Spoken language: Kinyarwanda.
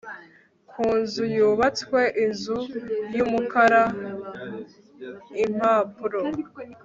Ku nzu yubatswe inzu yumukaraimpapuro